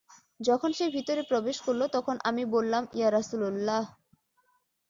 যখন সে ভিতরে প্রবেশ করল, তখন আমি বললাম, ইয়া রাসূলাল্লাহ!